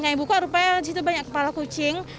kami buka rupanya disitu banyak kepala kucing